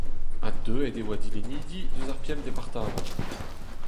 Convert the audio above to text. Ha deuet e oa dilennidi eus ar pemp departamant.